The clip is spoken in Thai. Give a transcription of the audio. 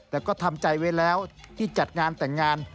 แต่ก็ทำใจไว้แล้วที่จัดงานแต่งงาน